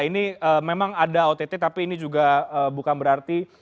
ini memang ada ott tapi ini juga bukan berarti